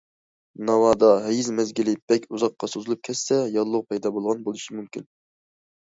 ناۋادا ھەيز مەزگىلى بەك ئۇزاققا سوزۇلۇپ كەتسە، ياللۇغ پەيدا بولغان بولۇشى مۇمكىن.